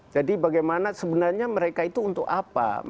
jadi bagaimana sebenarnya mereka itu untuk apa